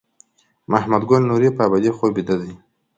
محمد ګل نوري په ابدي خوب بیده دی.